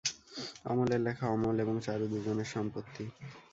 অমলের লেখা অমল এবং চারু দুজনের সম্পত্তি।